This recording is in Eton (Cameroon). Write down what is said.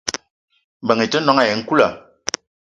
Mbeng i te noong ayi nkoula.